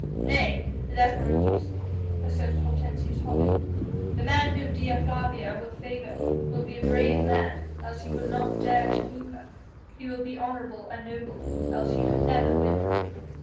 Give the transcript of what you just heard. "Nay! that were impossible," asserted Hortensius hotly; "the man whom Dea Flavia will favour will be a brave man else he would not dare to woo her; he will be honourable and noble else he could never win her."